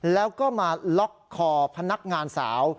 แล้วก็มาล็อกคอพนักงานสาว